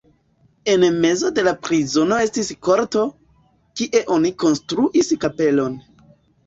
En mezo de la prizono estis korto, kie oni konstruis kapelon.